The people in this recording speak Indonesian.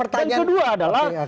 dan kedua adalah